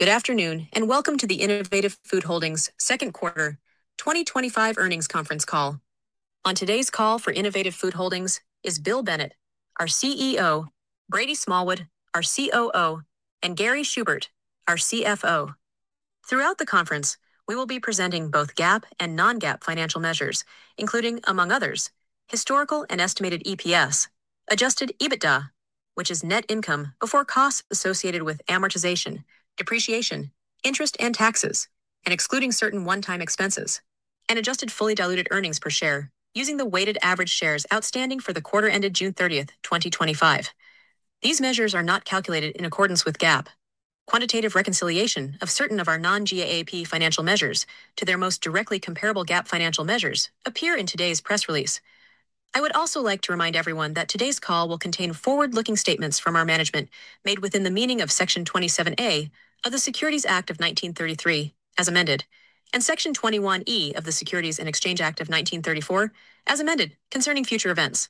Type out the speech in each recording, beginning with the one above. Good afternoon and welcome to the Innovative Food Holdings' Second Quarter 2025 Earnings Conference Call. On today's call for Innovative Food Holdings is Bill Bennett, our CEO, Brady Smallwood, our COO, and Gary Schubert, our CFO. Throughout the conference, we will be presenting both GAAP and non-GAAP financial measures, including, among others, historical and estimated EPS, adjusted EBITDA, which is net income before costs associated with amortization, depreciation, interest, and taxes, and excluding certain one-time expenses, and adjusted fully diluted earnings per share using the weighted average shares outstanding for the quarter ended June 30, 2025. These measures are not calculated in accordance with GAAP. Quantitative reconciliation of certain of our non-GAAP financial measures to their most directly comparable GAAP financial measures appear in today's press release. I would also like to remind everyone that today's call will contain forward-looking statements from our management made within the meaning of Section 27(a) of the Securities Act of 1933, as amended, and Section 21(e) of the Securities and Exchange Act of 1934, as amended, concerning future events.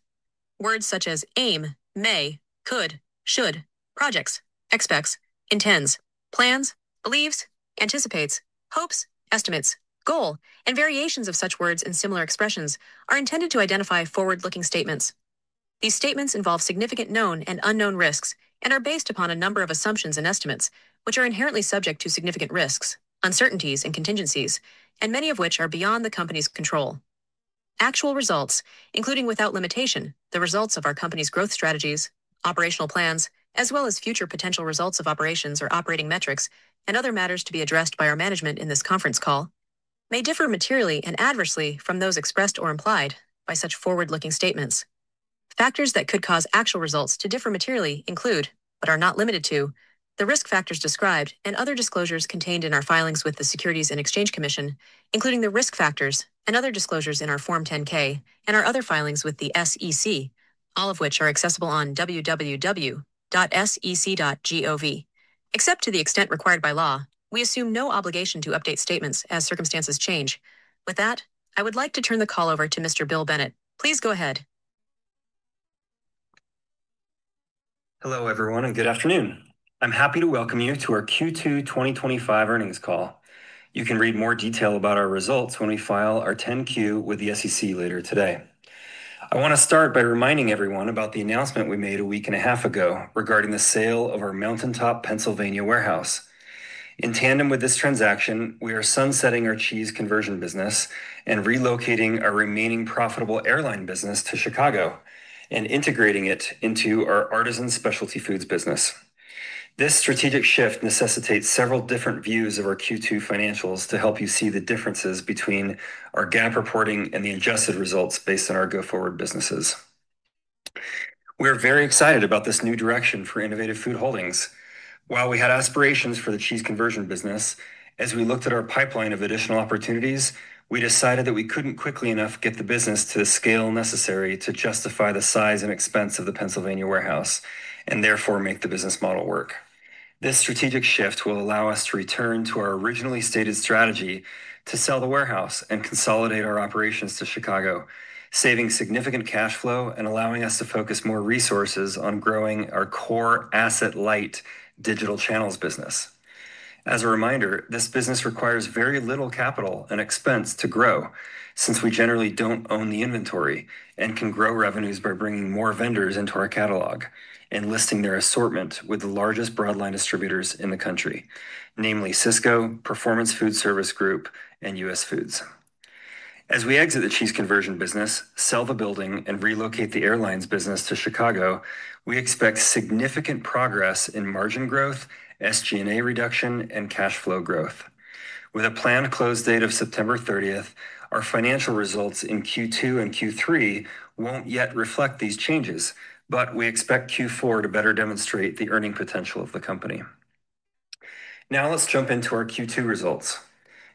Words such as aim, may, could, should, projects, expects, intends, plans, believes, anticipates, hopes, estimates, goal, and variations of such words and similar expressions are intended to identify forward-looking statements. These statements involve significant known and unknown risks and are based upon a number of assumptions and estimates, which are inherently subject to significant risks, uncertainties, and contingencies, and many of which are beyond the company's control. Actual results, including without limitation, the results of our company's growth strategies, operational plans, as well as future potential results of operations or operating metrics, and other matters to be addressed by our management in this conference call, may differ materially and adversely from those expressed or implied by such forward-looking statements. Factors that could cause actual results to differ materially include, but are not limited to, the risk factors described and other disclosures contained in our filings with the Securities and Exchange Commission, including the risk factors and other disclosures in our Form 10-K and our other filings with the SEC, all of which are accessible on www.sec.gov. Except to the extent required by law, we assume no obligation to update statements as circumstances change. With that, I would like to turn the call over to Mr. Bill Bennett. Please go ahead. Hello, everyone, and good afternoon. I'm happy to welcome you to our Q2 2025 earnings call. You can read more detail about our results when we file our 10-Q with the SEC later today. I want to start by reminding everyone about the announcement we made a week and a half ago regarding the sale of our Mountaintop, Pennsylvania warehouse. In tandem with this transaction, we are sunsetting our cheese conversion business and relocating our remaining profitable airline business to Chicago and integrating it into our Artisan Specialty Foods business. This strategic shift necessitates several different views of our Q2 financials to help you see the differences between our GAAP reporting and the adjusted results based on our go-forward businesses. We are very excited about this new direction for Innovative Food Holdings. While we had aspirations for the cheese conversion business, as we looked at our pipeline of additional opportunities, we decided that we couldn't quickly enough get the business to the scale necessary to justify the size and expense of the Pennsylvania warehouse and therefore make the business model work. This strategic shift will allow us to return to our originally stated strategy to sell the warehouse and consolidate our operations to Chicago, saving significant cash flow and allowing us to focus more resources on growing our core asset-light digital channels business. As a reminder, this business requires very little capital and expense to grow since we generally don't own the inventory and can grow revenues by bringing more vendors into our catalog and listing their assortment with the largest broadline distributors in the country, namely Sysco, Performance Foodservice Group, and US Foods. As we exit the cheese conversion business, sell the building, and relocate the airlines business to Chicago, we expect significant progress in margin growth, SG&A reduction, and cash flow growth. With a planned close date of September 30th, our financial results in Q2 and Q3 won't yet reflect these changes, but we expect Q4 to better demonstrate the earning potential of the company. Now let's jump into our Q2 results.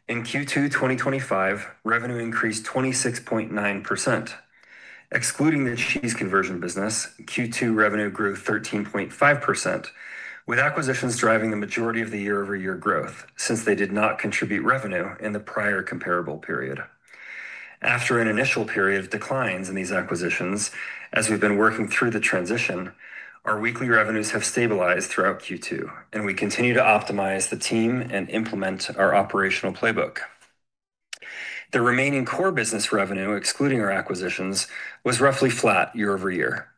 In Q2 2025, revenue increased 26.9%. Excluding the cheese conversion business, Q2 revenue grew 13.5%, with acquisitions driving a majority of the year-over-year growth since they did not contribute revenue in the prior comparable period. After an initial period of declines in these acquisitions, as we've been working through the transition, our weekly revenues have stabilized throughout Q2, and we continue to optimize the team and implement our operational playbook. The remaining core business revenue, excluding our acquisitions, was roughly flat year over year.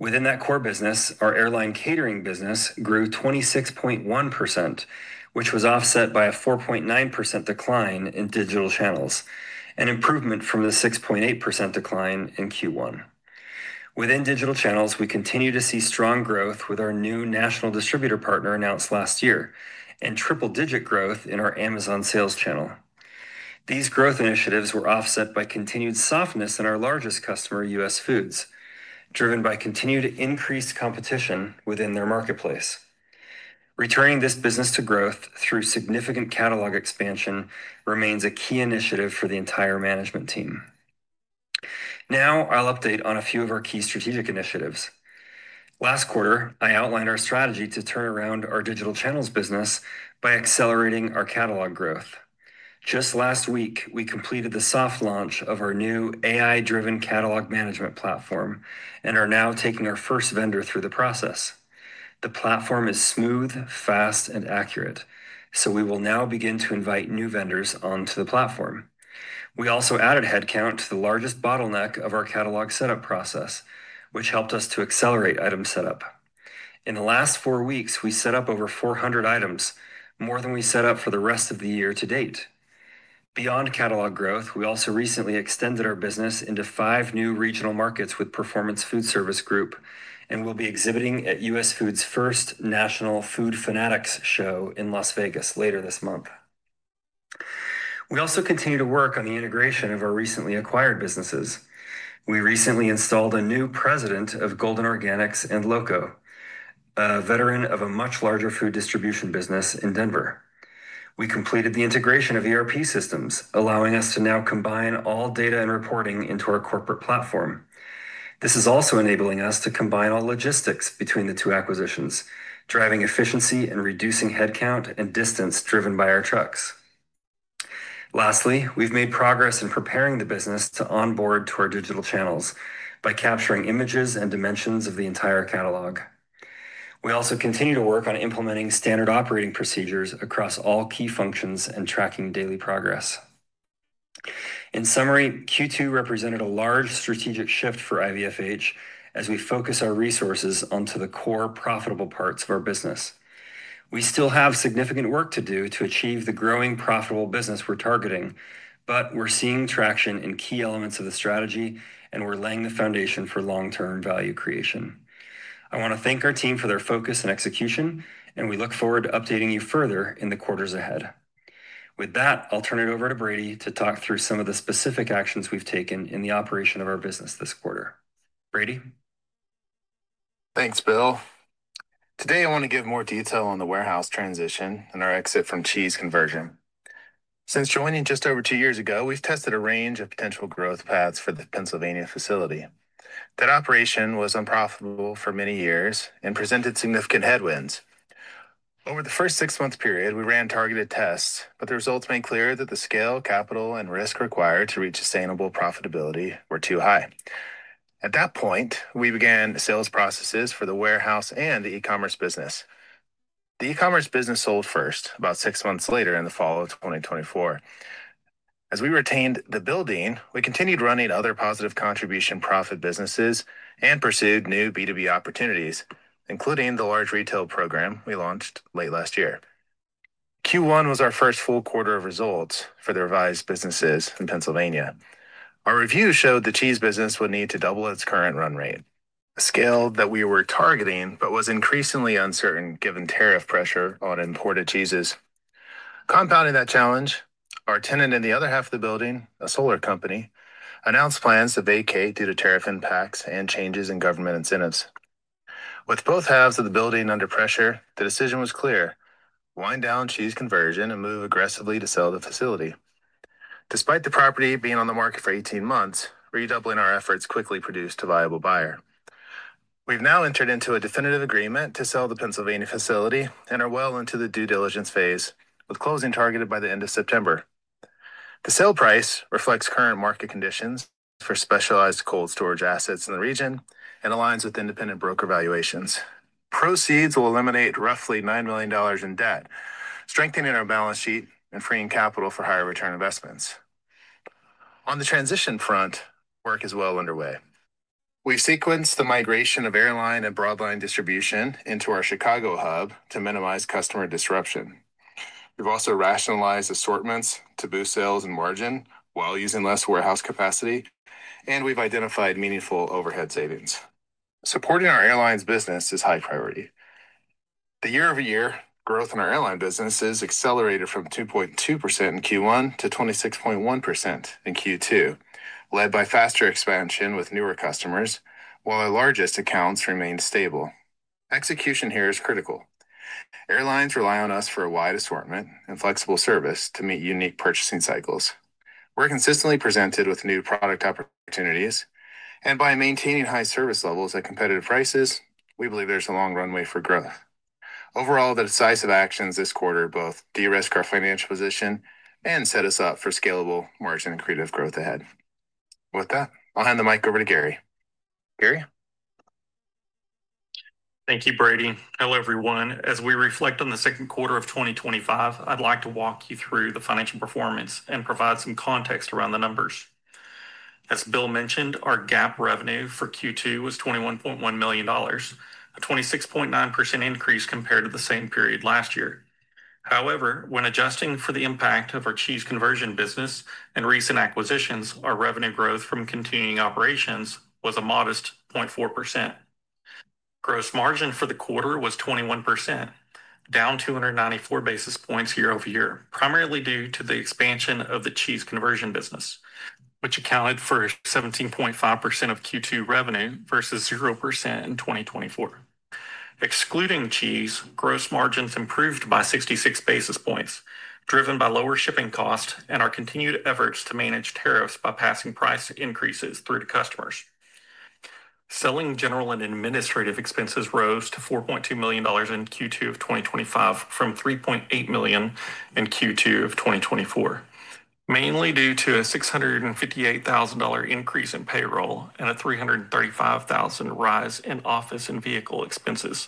Within that core business, our airline catering business grew 26.1%, which was offset by a 4.9% decline in digital channels, an improvement from the 6.8% decline in Q1. Within digital channels, we continue to see strong growth with our new national distributor partner announced last year and triple-digit growth in our Amazon sales channel. These growth initiatives were offset by continued softness in our largest customer, US Foods, driven by continued increased competition within their marketplace. Returning this business to growth through significant catalog expansion remains a key initiative for the entire management team. Now I'll update on a few of our key strategic initiatives. Last quarter, I outlined our strategy to turn around our digital channels business by accelerating our catalog growth. Just last week, we completed the soft launch of our new AI-driven catalog management platform and are now taking our first vendor through the process. The platform is smooth, fast, and accurate, so we will now begin to invite new vendors onto the platform. We also added headcount to the largest bottleneck of our catalog setup process, which helped us to accelerate item setup. In the last four weeks, we set up over 400 items, more than we set up for the rest of the year to date. Beyond catalog growth, we also recently extended our business into five new regional markets with Performance Foodservice Group and will be exhibiting at US Foods' first national food Fanatics Show in Las Vegas later this month. We also continue to work on the integration of our recently acquired businesses. We recently installed a new president of Golden Organics and Loco, a veteran of a much larger food distribution business in Denver. We completed the integration of ERP systems, allowing us to now combine all data and reporting into our corporate platform. This is also enabling us to combine all logistics between the two acquisitions, driving efficiency and reducing headcount and distance driven by our trucks. Lastly, we've made progress in preparing the business to onboard to our digital channels by capturing images and dimensions of the entire catalog. We also continue to work on implementing standard operating procedures across all key functions and tracking daily progress. In summary, Q2 represented a large strategic shift for IFH as we focus our resources onto the core profitable parts of our business. We still have significant work to do to achieve the growing profitable business we're targeting, but we're seeing traction in key elements of the strategy, and we're laying the foundation for long-term value creation. I want to thank our team for their focus and execution, and we look forward to updating you further in the quarters ahead. With that, I'll turn it over to Brady to talk through some of the specific actions we've taken in the operation of our business this quarter. Brady. Thanks, Bill. Today, I want to give more detail on the warehouse transition and our exit from cheese conversion. Since joining just over two years ago, we've tested a range of potential growth paths for the Pennsylvania facility. That operation was unprofitable for many years and presented significant headwinds. Over the first six-month period, we ran targeted tests, but the results made clear that the scale, capital, and risk required to reach sustainable profitability were too high. At that point, we began sales processes for the warehouse and the e-commerce business. The e-commerce business sold first about six months later in the fall of 2024. As we retained the building, we continued running other positive contribution profit businesses and pursued new B2B opportunities, including the large retail program we launched late last year. Q1 was our first full quarter of results for the revised businesses in Pennsylvania. Our review showed the cheese business would need to double its current run rate, a scale that we were targeting but was increasingly uncertain given tariff pressure on imported cheeses. Compounding that challenge, our tenant in the other half of the building, a solar company, announced plans to vacate due to tariff impacts and changes in government incentives. With both halves of the building under pressure, the decision was clear: wind down cheese conversion and move aggressively to sell the facility. Despite the property being on the market for 18 months, redoubling our efforts quickly produced a viable buyer. We've now entered into a definitive agreement to sell the Pennsylvania facility and are well into the due diligence phase, with closing targeted by the end of September. The sale price reflects current market conditions for specialized cold storage assets in the region and aligns with independent broker valuations. Proceeds will eliminate roughly $9 million in debt, strengthening our balance sheet and freeing capital for higher return investments. On the transition front, work is well underway. We've sequenced the migration of airline and broadline distribution into our Chicago hub to minimize customer disruption. We've also rationalized assortments to boost sales and margin while using less warehouse capacity, and we've identified meaningful overhead savings. Supporting our airlines' business is high priority. The year-over-year growth in our airline business has accelerated from 2.2% in Q1 to 26.1% in Q2, led by faster expansion with newer customers, while our largest accounts remain stable. Execution here is critical. Airlines rely on us for a wide assortment and flexible service to meet unique purchasing cycles. We're consistently presented with new product opportunities, and by maintaining high service levels at competitive prices, we believe there's a long runway for growth. Overall, the decisive actions this quarter both de-risk our financial position and set us up for scalable margin and creative growth ahead. With that, I'll hand the mic over to Gary. Gary. Thank you, Brady. Hello, everyone. As we reflect on the second quarter of 2025, I'd like to walk you through the financial performance and provide some context around the numbers. As Bill mentioned, our GAAP revenue for Q2 was $21.1 million, a 26.9% increase compared to the same period last year. However, when adjusting for the impact of our cheese conversion business and recent acquisitions, our revenue growth from continuing operations was a modest 0.4%. Gross margin for the quarter was 21%, down 294 basis points year over year, primarily due to the expansion of the cheese conversion business, which accounted for 17.5% of Q2 revenue versus 0% in 2024. Excluding cheese, gross margins improved by 66 basis points, driven by lower shipping costs and our continued efforts to manage tariffs by passing price increases through to customers. Selling, General and Administrative expenses rose to $4.2 million in Q2 of 2025 from $3.8 million in Q2 of 2024, mainly due to a $658,000 increase in payroll and a $335,000 rise in office and vehicle expenses.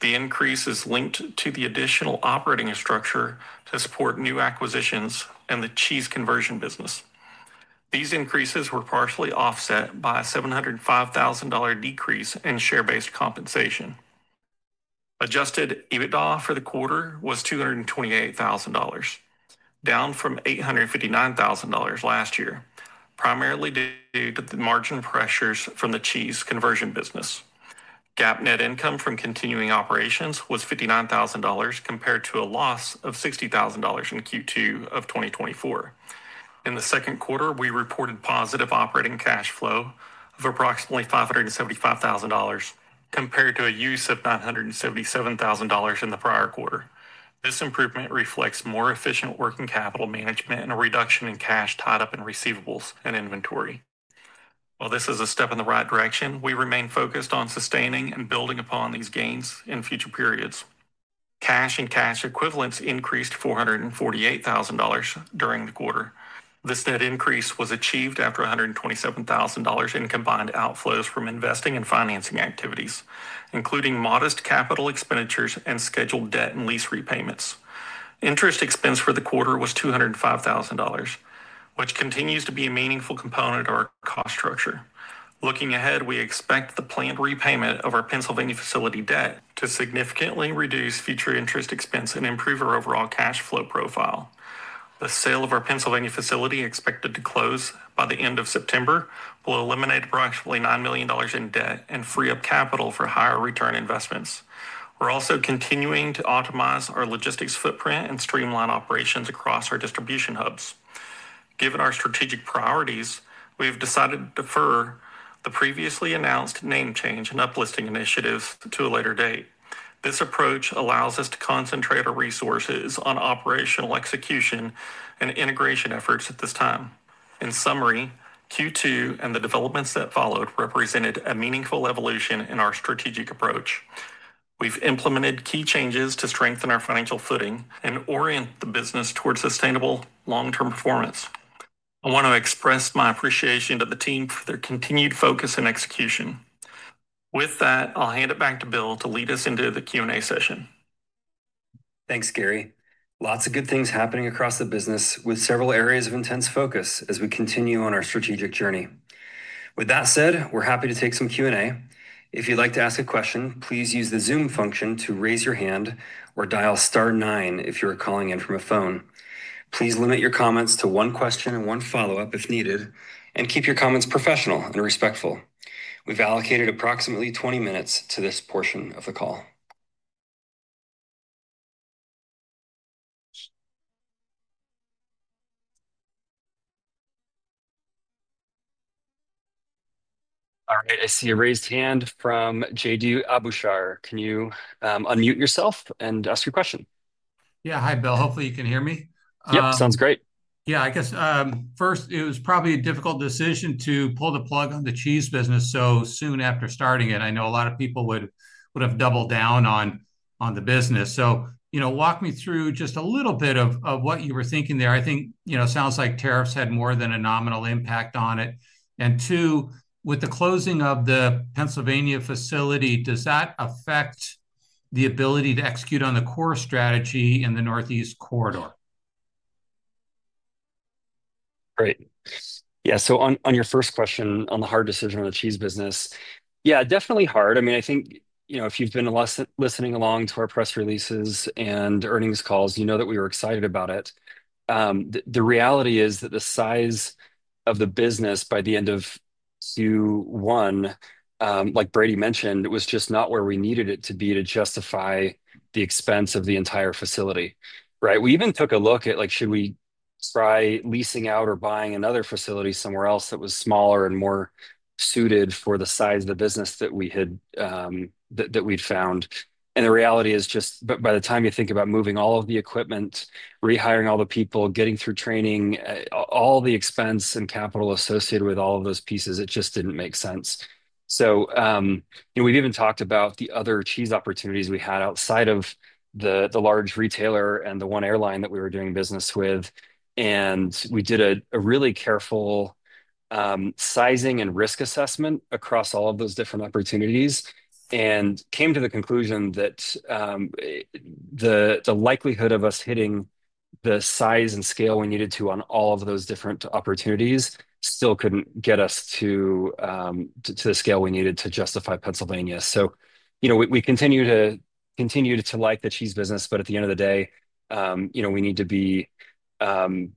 The increase is linked to the additional operating structure to support new acquisitions and the cheese conversion business. These increases were partially offset by a $705,000 decrease in share-based compensation. Adjusted EBITDA for the quarter was $228,000, down from $859,000 last year, primarily due to the margin pressures from the cheese conversion business. GAAP net income from continuing operations was $59,000 compared to a loss of $60,000 in Q2 of 2024. In the second quarter, we reported positive operating cash flow of approximately $575,000 compared to a use of $977,000 in the prior quarter. This improvement reflects more efficient working capital management and a reduction in cash tied up in receivables and inventory. While this is a step in the right direction, we remain focused on sustaining and building upon these gains in future periods. Cash and cash equivalents increased $448,000 during the quarter. This net increase was achieved after $127,000 in combined outflows from investing and financing activities, including modest capital expenditures and scheduled debt and lease repayments. Interest expense for the quarter was $205,000, which continues to be a meaningful component of our cost structure. Looking ahead, we expect the planned repayment of our Pennsylvania facility debt to significantly reduce future interest expense and improve our overall cash flow profile. The sale of our Pennsylvania facility, expected to close by the end of September, will eliminate approximately $9 million in debt and free up capital for higher return investments. We're also continuing to optimize our logistics footprint and streamline operations across our distribution hubs. Given our strategic priorities, we've decided to defer the previously announced name change and uplisting initiatives to a later date. This approach allows us to concentrate our resources on operational execution and integration efforts at this time. In summary, Q2 and the developments that followed represented a meaningful evolution in our strategic approach. We've implemented key changes to strengthen our financial footing and orient the business towards sustainable long-term performance. I want to express my appreciation to the team for their continued focus and execution. With that, I'll hand it back to Bill to lead us into the Q&A session. Thanks, Gary. Lots of good things happening across the business with several areas of intense focus as we continue on our strategic journey. With that said, we're happy to take some Q&A. If you'd like to ask a question, please use the Zoom function to raise your hand or dial star nine if you're calling in from a phone. Please limit your comments to one question and one follow-up if needed, and keep your comments professional and respectful. We've allocated approximately 20 minutes to this portion of the call. All right, I see a raised hand from J.D. Abushar. Can you unmute yourself and ask your question? Yeah, hi, Bill. Hopefully, you can hear me. Yeah, sounds great. Yeah, I guess first, it was probably a difficult decision to pull the plug on the cheese conversion business so soon after starting it. I know a lot of people would have doubled down on the business. Walk me through just a little bit of what you were thinking there. I think it sounds like tariffs had more than a nominal impact on it. With the closing of the Pennsylvania facility, does that affect the ability to execute on the core strategy in the Northeast corridor? Great. Yeah, on your first question on the hard decision on the cheese business, yeah, definitely hard. I mean, if you've been listening along to our press releases and earnings calls, you know that we were excited about it. The reality is that the size of the business by the end of Q1, like Brady mentioned, was just not where we needed it to be to justify the expense of the entire facility. We even took a look at, like, should we try leasing out or buying another facility somewhere else that was smaller and more suited for the size of the business that we had found? The reality is, by the time you think about moving all of the equipment, rehiring all the people, getting through training, all the expense and capital associated with all of those pieces, it just didn't make sense. We've even talked about the other cheese opportunities we had outside of the large retailer and the one airline that we were doing business with. We did a really careful sizing and risk assessment across all of those different opportunities and came to the conclusion that the likelihood of us hitting the size and scale we needed to on all of those different opportunities still couldn't get us to the scale we needed to justify Pennsylvania. We continue to like the cheese business, but at the end of the day, we need to be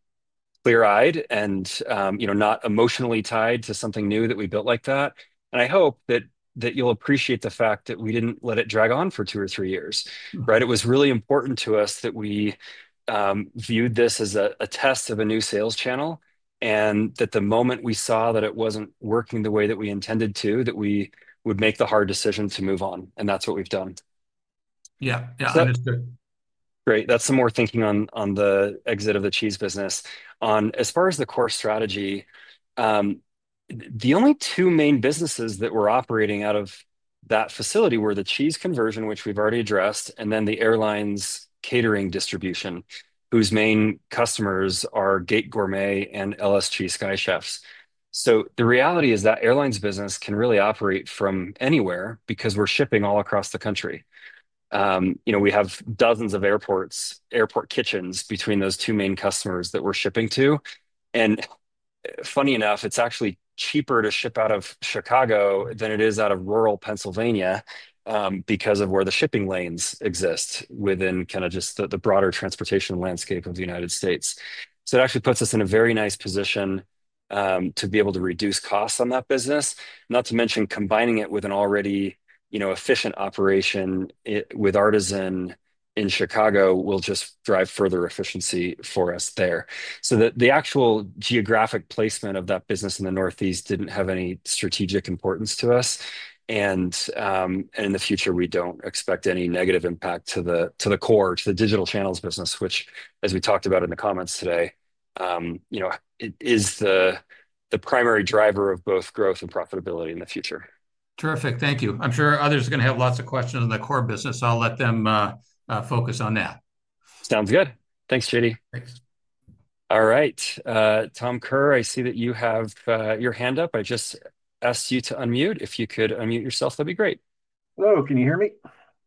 clear-eyed and not emotionally tied to something new that we built like that. I hope that you'll appreciate the fact that we didn't let it drag on for two or three years. It was really important to us that we viewed this as a test of a new sales channel and that the moment we saw that it wasn't working the way that we intended to, we would make the hard decision to move on. That's what we've done. Yeah, yeah, that is true. Great. That's some more thinking on the exit of the cheese business. As far as the core strategy, the only two main businesses that were operating out of that facility were the cheese conversion, which we've already addressed, and then the airline catering distribution, whose main customers are Gate Gourmet and LSG Sky Chefs. The reality is that airlines business can really operate from anywhere because we're shipping all across the country. We have dozens of airports, airport kitchens between those two main customers that we're shipping to. Funny enough, it's actually cheaper to ship out of Chicago than it is out of rural Pennsylvania because of where the shipping lanes exist within just the broader transportation landscape of the United States. It actually puts us in a very nice position to be able to reduce costs on that business, not to mention combining it with an already, you know, efficient operation with Artisan in Chicago will just drive further efficiency for us there. The actual geographic placement of that business in the Northeast didn't have any strategic importance to us. In the future, we don't expect any negative impact to the core, to the digital channels business, which, as we talked about in the comments today, is the primary driver of both growth and profitability in the future. Terrific. Thank you. I'm sure others are going to have lots of questions on the core business. I'll let them focus on that. Sounds good. Thanks, J.D. Thanks. All right, Tom Kerr, I see that you have your hand up. I just asked you to unmute. If you could unmute yourself, that'd be great. Hello, can you hear me?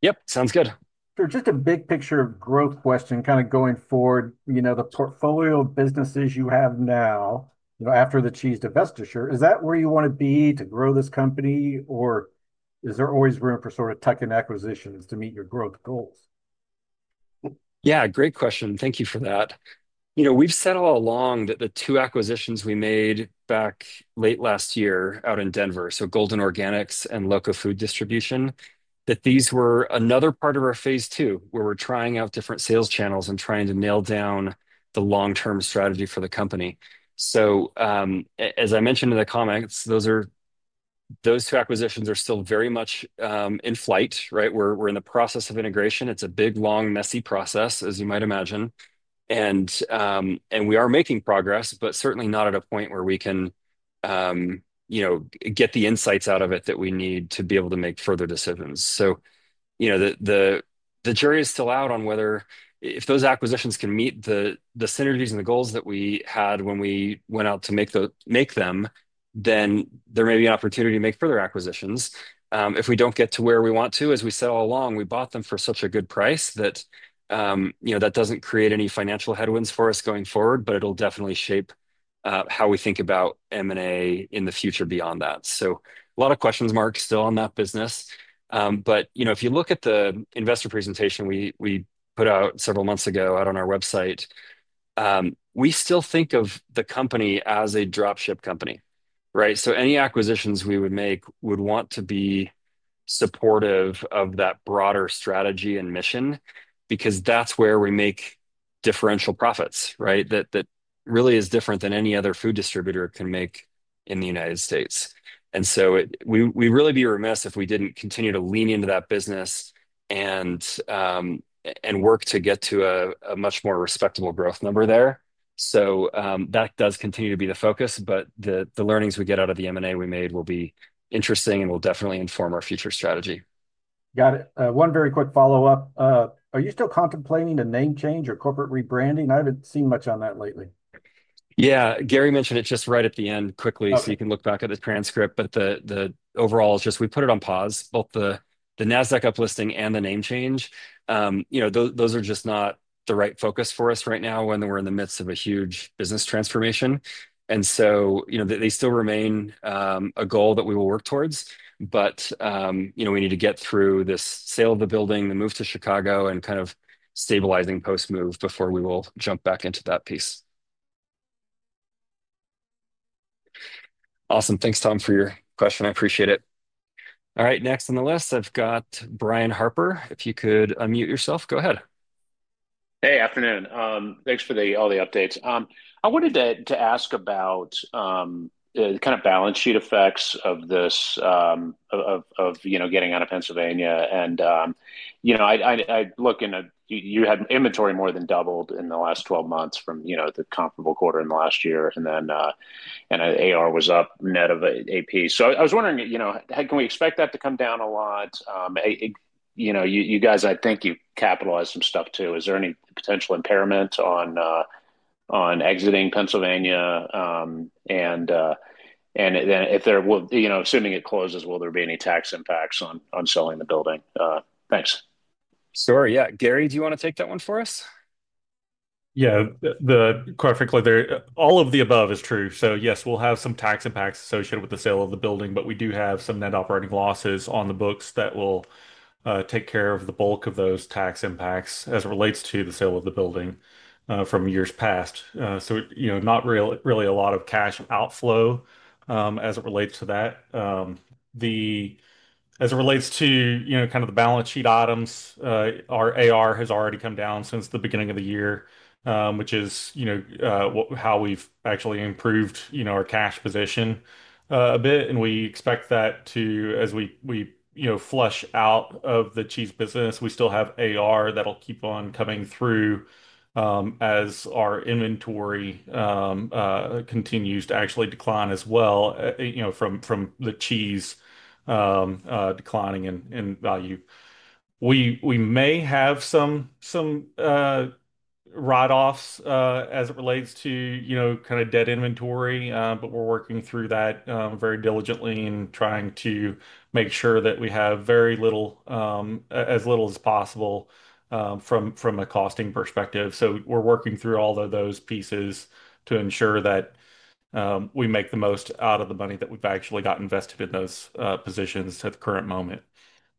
Yep, sounds good. Sure. Just a big picture growth question, kind of going forward. You know, the portfolio of businesses you have now, you know, after the cheese divestiture, is that where you want to be to grow this company, or is there always room for sort of tuck-in acquisitions to meet your growth goals? Yeah, great question. Thank you for that. You know, we've said all along that the two acquisitions we made back late last year out in Denver, Golden Organics and Loco Food Distribution, that these were another part of our phase two, where we're trying out different sales channels and trying to nail down the long-term strategy for the company. As I mentioned in the comments, those two acquisitions are still very much in flight. We're in the process of integration. It's a big, long, messy process, as you might imagine. We are making progress, but certainly not at a point where we can get the insights out of it that we need to be able to make further decisions. The jury is still out on whether if those acquisitions can meet the synergies and the goals that we had when we went out to make them, then there may be an opportunity to make further acquisitions. If we don't get to where we want to, as we said all along, we bought them for such a good price that, you know, that doesn't create any financial headwinds for us going forward, but it'll definitely shape how we think about M&A in the future beyond that. A lot of questions marked still on that business. If you look at the investor presentation we put out several months ago out on our website, we still think of the company as a dropship company. Any acquisitions we would make would want to be supportive of that broader strategy and mission because that's where we make differential profits, right? That really is different than any other food distributor can make in the United States. We'd really be remiss if we didn't continue to lean into that business and work to get to a much more respectable growth number there. That does continue to be the focus, but the learnings we get out of the M&A we made will be interesting and will definitely inform our future strategy. Got it. One very quick follow-up. Are you still contemplating a name change or corporate rebranding? I haven't seen much on that lately. Gary mentioned it just right at the end quickly so you can look back at the transcript, but overall, we put it on pause, both the NASDAQ uplisting and the name change. Those are just not the right focus for us right now when we're in the midst of a huge business transformation. They still remain a goal that we will work towards, but we need to get through this sale of the building, the move to Chicago, and kind of stabilizing post-move before we will jump back into that piece. Awesome. Thanks, Tom, for your question. I appreciate it. All right, next on the list, I've got Brian Harper. If you could unmute yourself, go ahead. Hey, afternoon. Thanks for all the updates. I wanted to ask about the kind of balance sheet effects of this, you know, getting out of Pennsylvania. I look in, you had inventory more than doubled in the last 12 months from the comparable quarter in the last year, and then AR was up net of AP. I was wondering, can we expect that to come down a lot? You guys, I think you've capitalized some stuff too. Is there any potential impairment on exiting Pennsylvania? If there, you know, assuming it closes, will there be any tax impacts on selling the building? Thanks. Sure, yeah. Gary, do you want to take that one for us? Yeah, quite frankly, all of the above is true. Yes, we'll have some tax impacts associated with the sale of the building, but we do have some net operating losses on the books that will take care of the bulk of those tax impacts as it relates to the sale of the building from years past. Not really a lot of cash outflow as it relates to that. As it relates to the balance sheet items, our AR has already come down since the beginning of the year, which is how we've actually improved our cash position a bit. We expect that to, as we flush out of the cheese business, we still have AR that'll keep on coming through as our inventory continues to actually decline as well from the cheese declining in value. We may have some write-offs as it relates to dead inventory, but we're working through that very diligently and trying to make sure that we have as little as possible from a costing perspective. We're working through all of those pieces to ensure that we make the most out of the money that we've actually got invested in those positions at the current moment.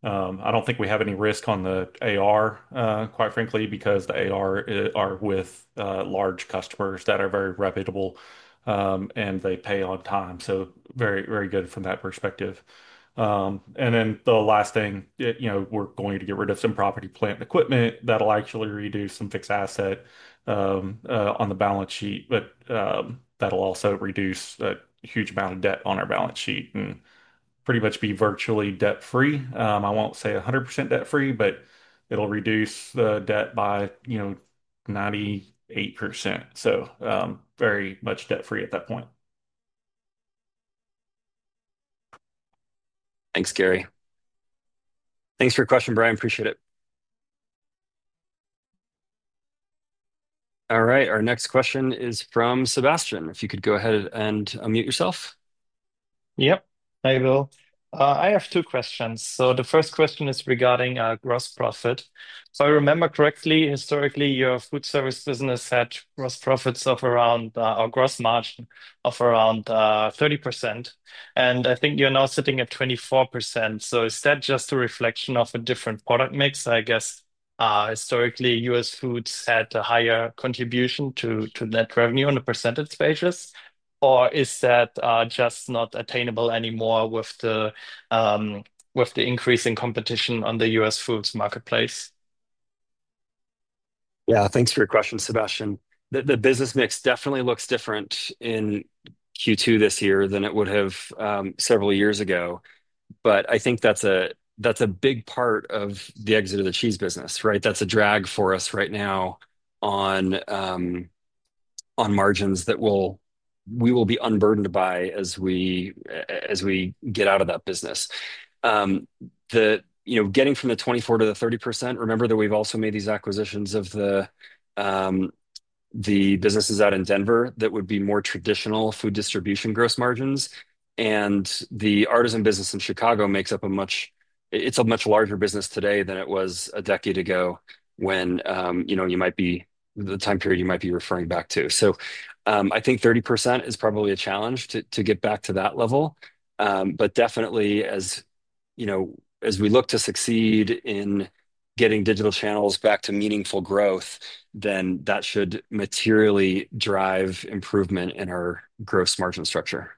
I don't think we have any risk on the AR, quite frankly, because the AR is with large customers that are very reputable and they pay on time. Very, very good from that perspective. The last thing, we're going to get rid of some property, plant, equipment that'll actually reduce some fixed asset on the balance sheet, but that'll also reduce a huge amount of debt on our balance sheet and pretty much be virtually debt-free. I won't say 100% debt-free, but it'll reduce the debt by 98%. Very much debt-free at that point. Thanks, Gary. Thanks for your question, Brian. Appreciate it. All right, our next question is from Sebastian. If you could go ahead and unmute yourself. Hi, Bill. I have two questions. The first question is regarding gross profit. If I remember correctly, historically, your food service business had gross profits of around, or gross margin of around 30%. I think you're now sitting at 24%. Is that just a reflection of a different product mix? I guess, historically, US Foods had a higher contribution to net revenue on the percentage basis, or is that just not attainable anymore with the increasing competition on the US Foods marketplace? Yeah, thanks for your question, Sebastian. The business mix definitely looks different in Q2 this year than it would have several years ago. I think that's a big part of the exit of the cheese conversion business, right? That's a drag for us right now on margins that we will be unburdened by as we get out of that business. Getting from the 24% to the 30%, remember that we've also made these acquisitions of the businesses out in Denver that would be more traditional food distribution gross margins. The Artisan business in Chicago makes up a much, it's a much larger business today than it was a decade ago when, you know, you might be, the time period you might be referring back to. I think 30% is probably a challenge to get back to that level. Definitely, as you know, as we look to succeed in getting digital channels back to meaningful growth, then that should materially drive improvement in our gross margin structure.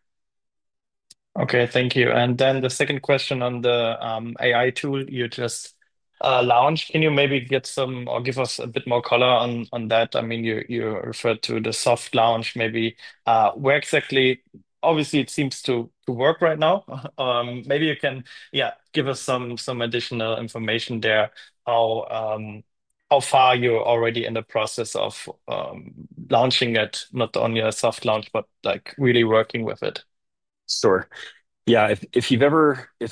Thank you. The second question on the AI tool you just launched, can you give us a bit more color on that? You referred to the soft launch. Where exactly, obviously it seems to work right now. Maybe you can give us some additional information there. How far are you already in the process of launching it, not only a soft launch, but really working with it? Sure. If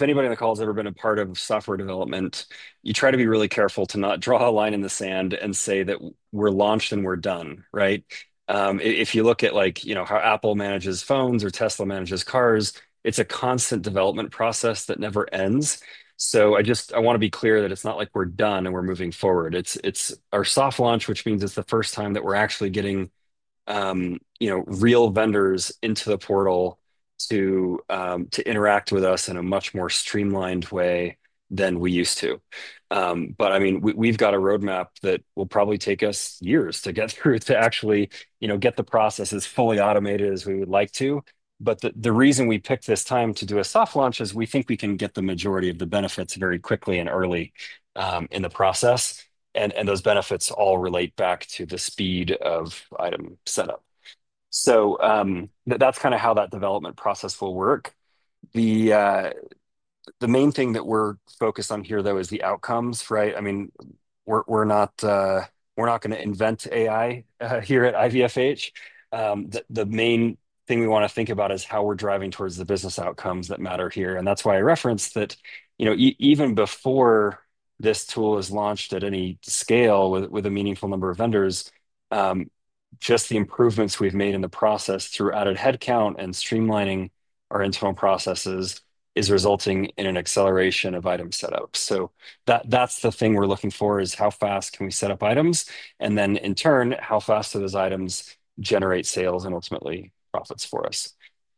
anybody on the call has ever been a part of software development, you try to be really careful to not draw a line in the sand and say that we're launched and we're done, right? If you look at how Apple manages phones or Tesla manages cars, it's a constant development process that never ends. I want to be clear that it's not like we're done and we're moving forward. It's our soft launch, which means it's the first time that we're actually getting real vendors into the portal to interact with us in a much more streamlined way than we used to. We've got a roadmap that will probably take us years to get through to actually get the process as fully automated as we would like to. The reason we picked this time to do a soft launch is we think we can get the majority of the benefits very quickly and early in the process. Those benefits all relate back to the speed of item setup. That's kind of how that development process will work. The main thing that we're focused on here is the outcomes, right? We're not going to invent AI here at Innovative Food Holdings. The main thing we want to think about is how we're driving towards the business outcomes that matter here. That's why I referenced that even before this tool is launched at any scale with a meaningful number of vendors, just the improvements we've made in the process through added headcount and streamlining our internal processes is resulting in an acceleration of item setup. That's the thing we're looking for is how fast can we set up items and then in turn, how fast do those items generate sales and ultimately profits for us.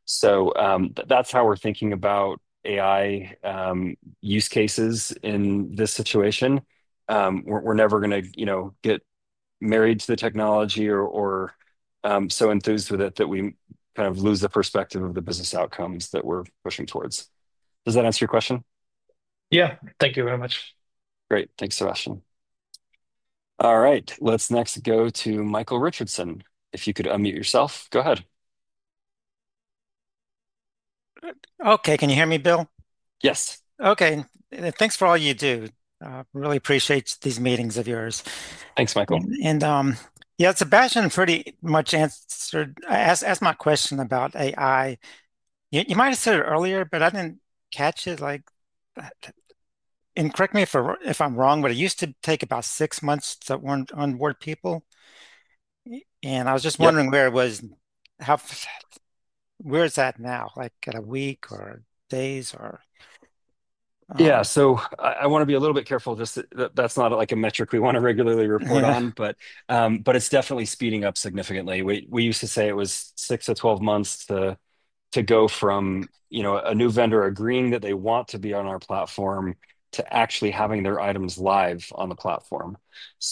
That's how we're thinking about AI use cases in this situation. We're never going to get married to the technology or so enthused with it that we lose the perspective of the business outcomes that we're pushing towards. Does that answer your question? Yeah, thank you very much. Great, thanks, Sebastian. All right, let's next go to Michael Richardson. If you could unmute yourself, go ahead. Okay, can you hear me, Bill? Yes. Okay, thanks for all you do. I really appreciate these meetings of yours. Thanks, Michael. Sebastian pretty much asked my question about AI. You might have said it earlier, but I didn't catch it. Like, and correct me if I'm wrong, but it used to take about six months to onboard people. I was just wondering where it was, where is that now? Like at a week or days or? Yeah, I want to be a little bit careful just that that's not like a metric we want to regularly report on, but it's definitely speeding up significantly. We used to say it was six to twelve months to go from, you know, a new vendor agreeing that they want to be on our platform to actually having their items live on the platform.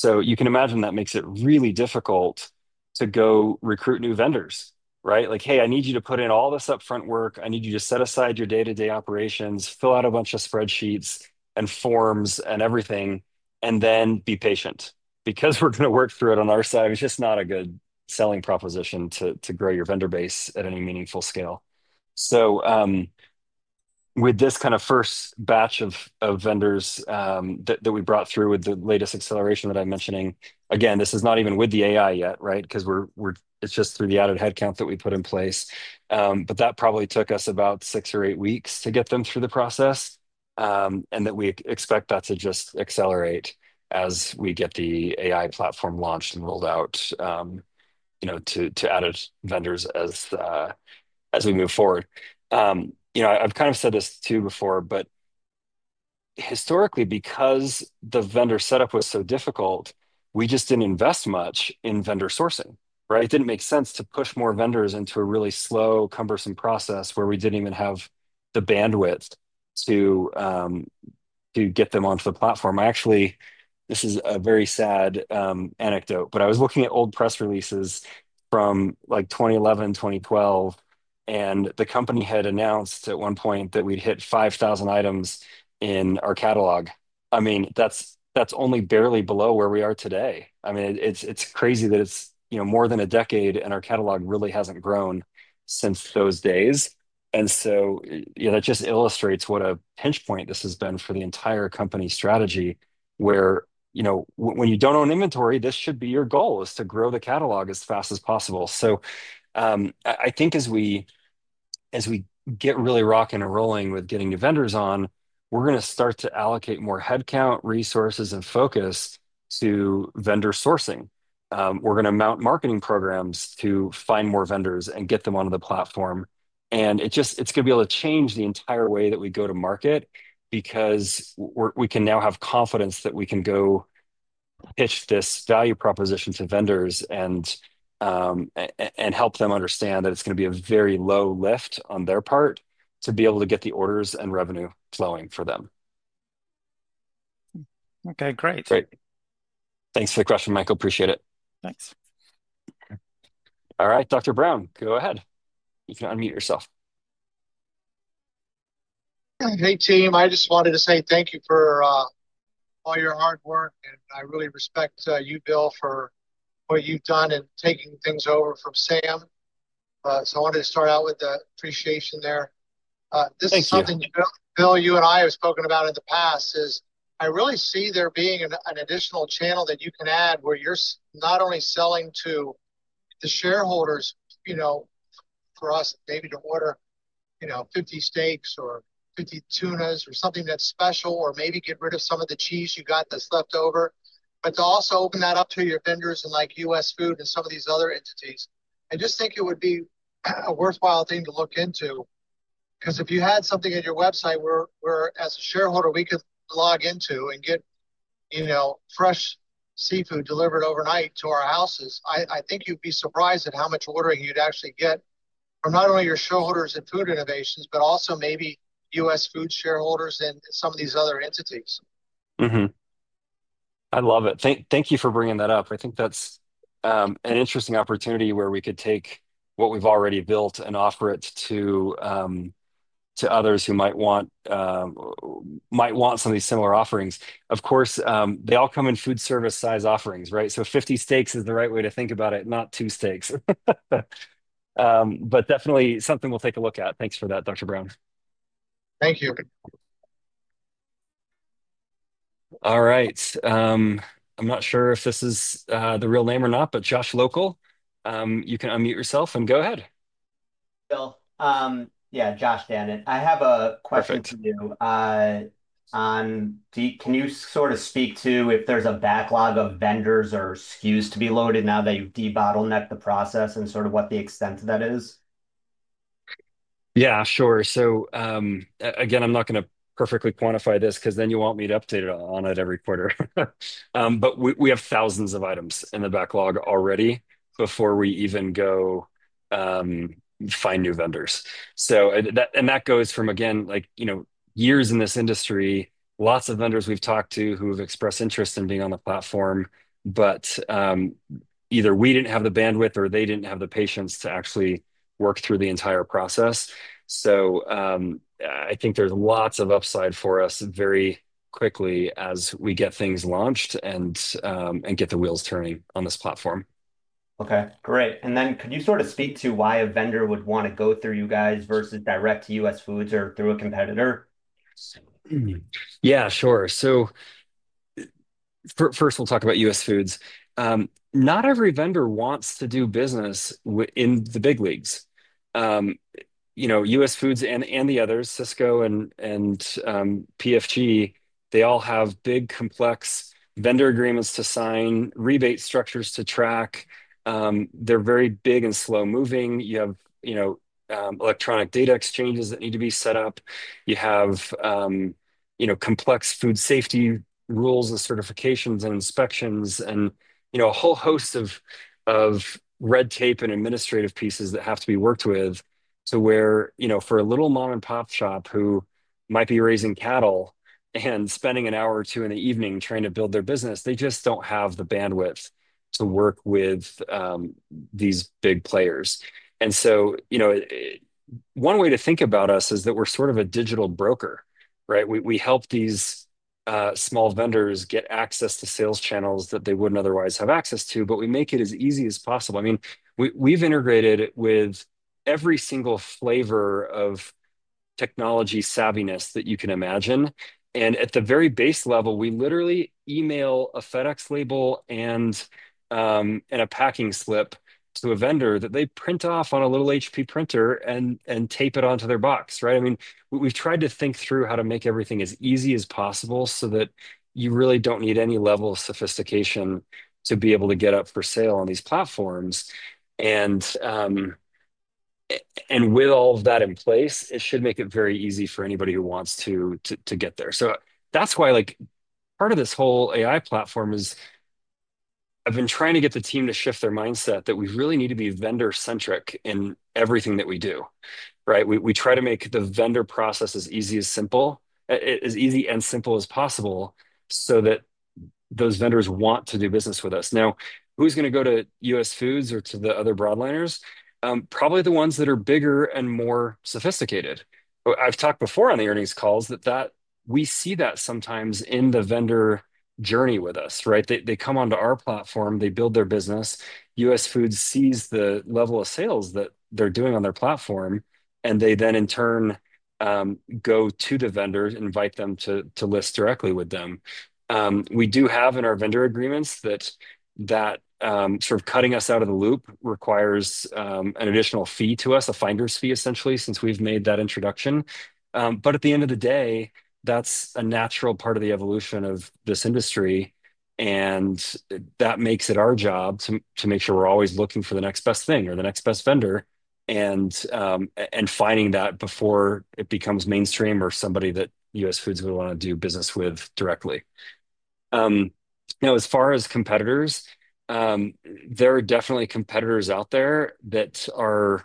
You can imagine that makes it really difficult to go recruit new vendors, right? Like, hey, I need you to put in all this upfront work. I need you to set aside your day-to-day operations, fill out a bunch of spreadsheets and forms and everything, and then be patient. Because we're going to work through it on our side, it's just not a good selling proposition to grow your vendor base at any meaningful scale. With this kind of first batch of vendors that we brought through with the latest acceleration that I'm mentioning, again, this is not even with the AI yet, right? Because it's just through the added headcount that we put in place. That probably took us about six or eight weeks to get them through the process. We expect that to just accelerate as we get the AI-driven catalog management platform launched and rolled out to added vendors as we move forward. I've kind of said this too before, but historically, because the vendor setup was so difficult, we just didn't invest much in vendor sourcing, right? It didn't make sense to push more vendors into a really slow, cumbersome process where we didn't even have the bandwidth to get them onto the platform. I actually, this is a very sad anecdote, but I was looking at old press releases from 2011, 2012, and the company had announced at one point that we'd hit 5,000 items in our catalog. I mean, that's only barely below where we are today. It's crazy that it's more than a decade and our catalog really hasn't grown since those days. That just illustrates what a pinch point this has been for the entire company strategy, where, you know, when you don't own inventory, this should be your goal is to grow the catalog as fast as possible. I think as we get really rocking and rolling with getting new vendors on, we're going to start to allocate more headcount, resources, and focus to vendor sourcing. We're going to mount marketing programs to find more vendors and get them onto the platform. It's going to be able to change the entire way that we go to market because we can now have confidence that we can go pitch this value proposition to vendors and help them understand that it's going to be a very low lift on their part to be able to get the orders and revenue flowing for them. Okay, great. Thanks for the question, Michael. Appreciate it. Thanks. All right, Dr. Brown, go ahead. You can unmute yourself. Hey, team. I just wanted to say thank you for all your hard work, and I really respect you, Bill, for what you've done in taking things over from Sam. I wanted to start out with the appreciation there. This is something, Bill, you and I have spoken about in the past. I really see there being an additional channel that you can add where you're not only selling to the shareholders, you know, for us maybe to order, you know, 50 steaks or 50 tunas or something that's special or maybe get rid of some of the cheese you got that's left over, but to also open that up to your vendors and like US Foods and some of these other entities. I just think it would be a worthwhile thing to look into because if you had something in your website where, as a shareholder, we could log into and get, you know, fresh seafood delivered overnight to our houses, I think you'd be surprised at how much ordering you'd actually get from not only your shareholders in Food Innovations, but also maybe US Foods shareholders in some of these other entities. I love it. Thank you for bringing that up. I think that's an interesting opportunity where we could take what we've already built and offer it to others who might want some of these similar offerings. Of course, they all come in foodservice size offerings, right? 50 steaks is the right way to think about it, not two steaks. Definitely something we'll take a look at. Thanks for that, Dr. Brown. Thank you. All right. I'm not sure if this is the real name or not, but Josh Loco, you can unmute yourself and go ahead. Yeah, Josh Dennon. I have a question for you. Can you sort of speak to if there's a backlog of vendors or SKUs to be loaded now that you've debottlenecked the process, and sort of what the extent of that is? Yeah, sure. I'm not going to perfectly quantify this because then you want me to update it on it every quarter. We have thousands of items in the backlog already before we even go find new vendors. That goes from, again, years in this industry, lots of vendors we've talked to who've expressed interest in being on the platform, but either we didn't have the bandwidth or they didn't have the patience to actually work through the entire process. I think there's lots of upside for us very quickly as we get things launched and get the wheels turning on this platform. Okay, great. Could you sort of speak to why a vendor would want to go through you guys versus direct to US Foods or through a competitor? Yeah, sure. First, we'll talk about US Foods. Not every vendor wants to do business in the big leagues. You know, US Foods and the others, Sysco and PFG, they all have big, complex vendor agreements to sign, rebate structures to track. They're very big and slow-moving. You have electronic data exchanges that need to be set up. You have complex food safety rules and certifications and inspections and a whole host of red tape and administrative pieces that have to be worked with to where, for a little mom-and-pop shop who might be raising cattle and spending an hour or two in the evening trying to build their business, they just don't have the bandwidth to work with these big players. One way to think about us is that we're sort of a digital broker, right? We help these small vendors get access to sales channels that they wouldn't otherwise have access to, but we make it as easy as possible. We've integrated it with every single flavor of technology savviness that you can imagine. At the very base level, we literally email a FedEx label and a packing slip to a vendor that they print off on a little HP printer and tape it onto their box, right? We've tried to think through how to make everything as easy as possible so that you really don't need any level of sophistication to be able to get up for sale on these platforms. With all of that in place, it should make it very easy for anybody who wants to get there. That's why part of this whole AI-driven catalog management platform is I've been trying to get the team to shift their mindset that we really need to be vendor-centric in everything that we do, right? We try to make the vendor process as easy and simple as possible so that those vendors want to do business with us. Now, who's going to go to US Foods or to the other broadline distributors? Probably the ones that are bigger and more sophisticated. I've talked before on the earnings calls that we see that sometimes in the vendor journey with us, they come onto our platform, they build their business, US Foods sees the level of sales that they're doing on their platform, and they then in turn go to the vendors, invite them to list directly with them. We do have in our vendor agreements that that sort of cutting us out of the loop requires an additional fee to us, a finder's fee essentially, since we've made that introduction. At the end of the day, that's a natural part of the evolution of this industry, and that makes it our job to make sure we're always looking for the next best thing or the next best vendor and finding that before it becomes mainstream or somebody that US Foods would want to do business with directly. As far as competitors, there are definitely competitors out there that are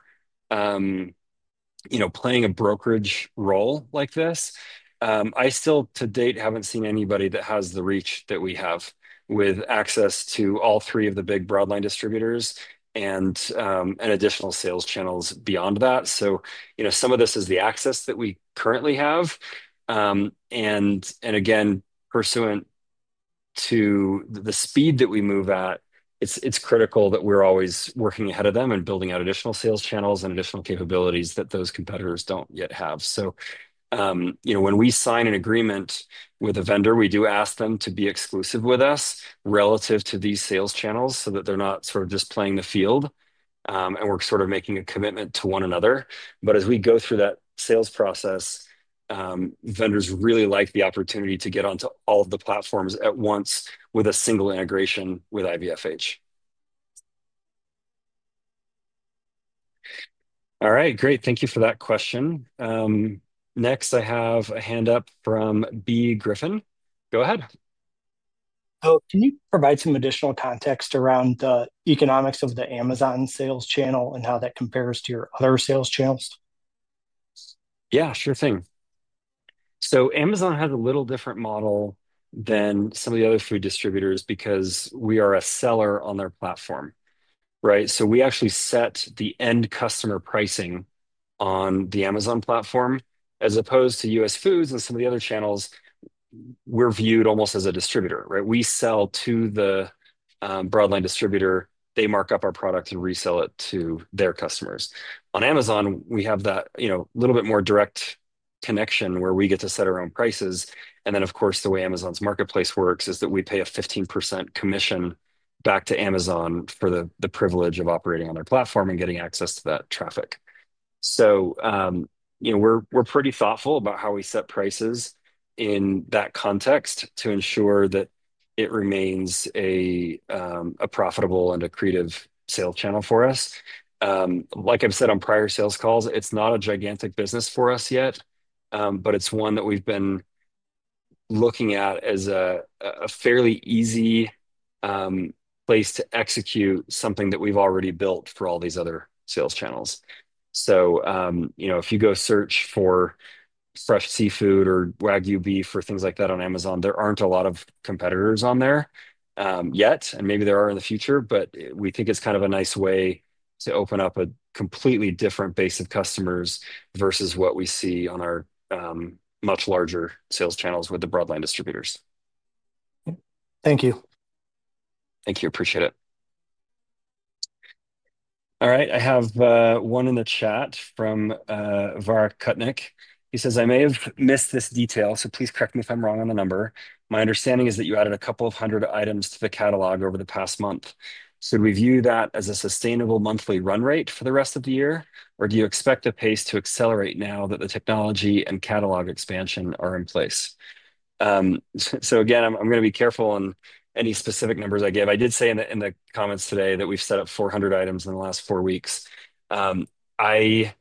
playing a brokerage role like this. I still, to date, haven't seen anybody that has the reach that we have with access to all three of the big broadline distributors and additional sales channels beyond that. Some of this is the access that we currently have. Again, pursuant to the speed that we move at, it's critical that we're always working ahead of them and building out additional sales channels and additional capabilities that those competitors don't yet have. When we sign an agreement with a vendor, we do ask them to be exclusive with us relative to these sales channels so that they're not just playing the field and we're making a commitment to one another. As we go through that sales process, vendors really like the opportunity to get onto all of the platforms at once with a single integration with Innovative Food Holdings. All right, great. Thank you for that question. Next, I have a hand up from B. Griffin. Go ahead. Can you provide some additional context around the economics of the Amazon sales channel and how that compares to your other sales channels? Yeah, sure thing. Amazon has a little different model than some of the other food distributors because we are a seller on their platform, right? We actually set the end customer pricing on the Amazon platform. As opposed to US Foods and some of the other channels, we're viewed almost as a distributor, right? We sell to the broadline distributor, they mark up our product and resell it to their customers. On Amazon, we have that a little bit more direct connection where we get to set our own prices. Of course, the way Amazon's marketplace works is that we pay a 15% commission back to Amazon for the privilege of operating on their platform and getting access to that traffic. We're pretty thoughtful about how we set prices in that context to ensure that it remains a profitable and accretive sales channel for us. Like I've said on prior sales calls, it's not a gigantic business for us yet, but it's one that we've been looking at as a fairly easy place to execute something that we've already built for all these other sales channels. If you go search for fresh seafood or wagyu beef or things like that on Amazon, there aren't a lot of competitors on there yet, and maybe there are in the future, but we think it's kind of a nice way to open up a completely different base of customers versus what we see on our much larger sales channels with the broadline distributors. Thank you. Thank you. Appreciate it. All right. I have one in the chat from Var Cutnik. He says, "I may have missed this detail, so please correct me if I'm wrong on the number. My understanding is that you added a couple of hundred items to the catalog over the past month. Should we view that as a sustainable monthly run rate for the rest of the year, or do you expect a pace to accelerate now that the technology and catalog expansion are in place?" I'm going to be careful on any specific numbers I give. I did say in the comments today that we've set up 400 items in the last four weeks. I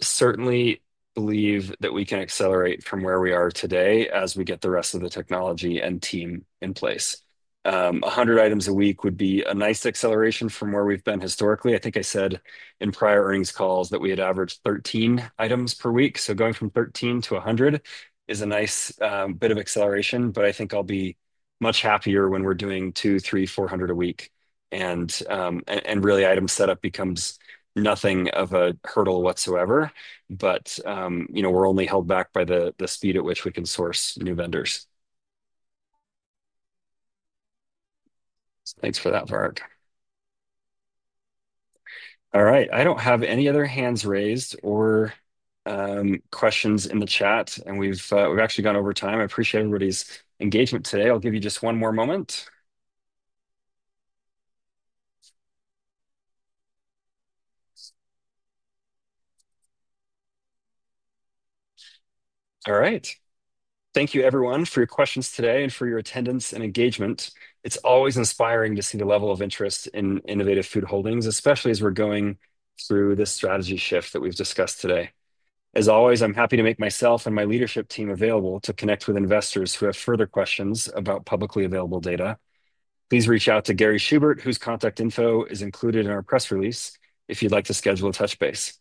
certainly believe that we can accelerate from where we are today as we get the rest of the technology and team in place. 100 items a week would be a nice acceleration from where we've been historically. I think I said in prior earnings calls that we had averaged 13 items per week. Going from 13 to 100 is a nice bit of acceleration, but I think I'll be much happier when we're doing two, three, 400 a week. Really, item setup becomes nothing of a hurdle whatsoever, but we're only held back by the speed at which we can source new vendors. Thanks for that, Var. All right. I don't have any other hands raised or questions in the chat, and we've actually gone over time. I appreciate everybody's engagement today. I'll give you just one more moment. All right. Thank you, everyone, for your questions today and for your attendance and engagement. It's always inspiring to see the level of interest in Innovative Food Holdings, especially as we're going through this strategy shift that we've discussed today. As always, I'm happy to make myself and my leadership team available to connect with investors who have further questions about publicly available data. Please reach out to Gary Schubert, whose contact info is included in our press release if you'd like to schedule a touch base.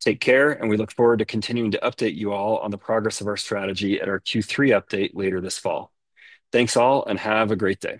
Take care, and we look forward to continuing to update you all on the progress of our strategy at our Q3 update later this fall. Thanks all, and have a great day.